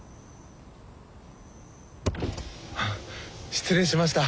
・失礼しました。